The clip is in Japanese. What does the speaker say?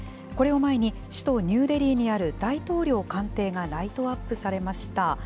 これを前に、首都ニューデリーにある大統領官邸がライトアップされました。